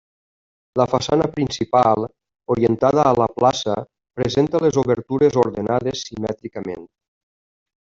La façana principal, orientada a la plaça, presenta les obertures ordenades simètricament.